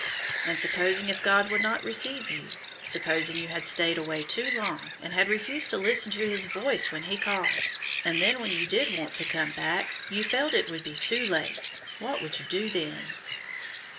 "And supposing if God would not receive you; supposing you had stayed away so long, and had refused to listen to His voice when He called, and then when you did want to come back, you felt it would be too late, what would you do then?"